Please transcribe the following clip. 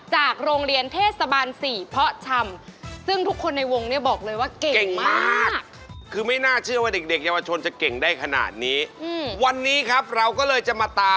ได้ไปเจอกับวงลุกทุ่งโคราช